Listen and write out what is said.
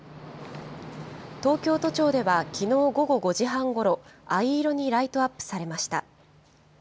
東京都庁ではきのう午後５時半ごろ、藍色にライトアップされました。